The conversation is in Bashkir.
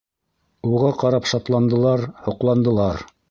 Уға ҡарап шатландылар, һоҡландылар.